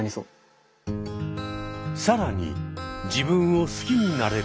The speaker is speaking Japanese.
更に「自分を好きになれる」